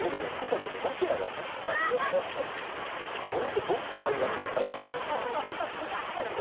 それで「ボク」とか言われちゃったから。